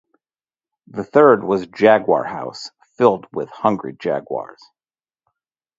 The third was Jaguar House, filled with hungry jaguars.